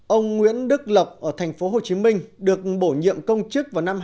ông nguyễn đức lộc ở tp hcm được bổ nhiệm công chức vào năm hai nghìn